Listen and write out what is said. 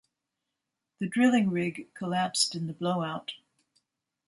The drilling rig collapsed in the blowout.